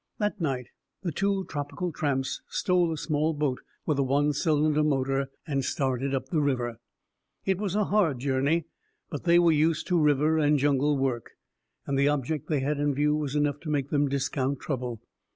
That night, the two tropical tramps stole a small boat with a one cylinder motor, and started up the river. It was a hard journey, but they were used to river and jungle work, and the object they had in view was enough to make them discount trouble.